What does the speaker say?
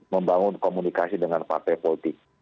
membangun komunikasi dengan partai politik